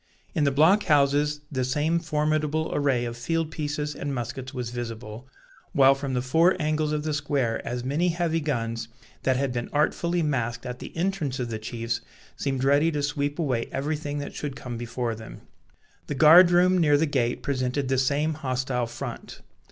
In the block houses the same formidable array of field pieces and muskets was visible; while from the four angles of the square as many heavy guns, that had been artfully masked at the entrance of the chiefs, seemed ready to sweep away everything that should come before them. The guard room near the gate presented the same hostile front.